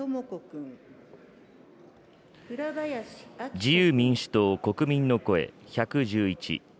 自由民主党・国民の声１１１。